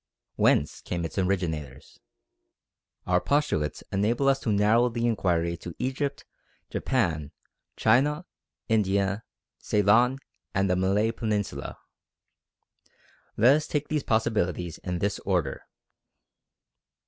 Whence came its originators? Our postulates enable us to narrow the inquiry to Egypt, Japan, China, India, Ceylon, and the Malay Peninsula. Let us take these possibilities in this order.